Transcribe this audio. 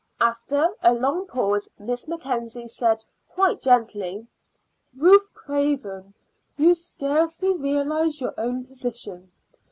After a long pause Miss Mackenzie said quite gently: "Ruth Craven, you scarcely realize your own position.